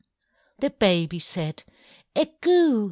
The baby said "_A Goo!